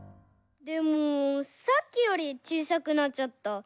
でもさっきよりちいさくなっちゃった。